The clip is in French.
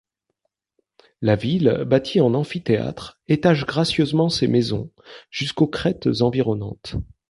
La ville, bâtie en amphithéâtre, étage gracieusement ses maisons jusqu’aux crêtes environnantes.